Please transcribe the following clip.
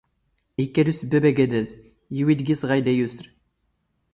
ⵉⴽⴽⴰ ⴷ ⵓⵙⴱⴱⴰⴱ ⴰⴳⴰⴷⴰⵣ, ⵢⵉⵡⵉ ⴷ ⴳⵉⵙ ⵖⴰⵢⴷⴰ ⵢⵓⵙⵔ.